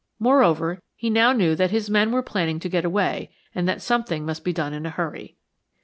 Moreover, he now knew that his men were planning to get away and that something must be done in a hurry.